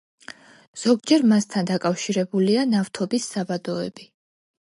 ზოგჯერ მასთან დაკავშირებულია ნავთობის საბადოები.